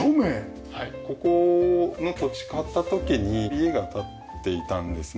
ここの土地買った時に家が建っていたんですね。